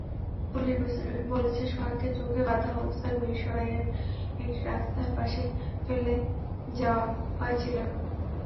Police বলেছে, সোহাগকে চোখ বাঁধা অবস্থায় মিরসরাইয়ের একটি রাস্তার পাশে ফেলে যাওয়া হয়েছিল।